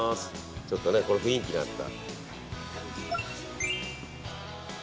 ちょっと雰囲気に合った。